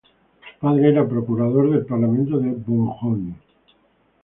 Su padre era procurador del Parlamento de Bourgogne.